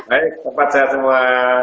baik sehat sehat semua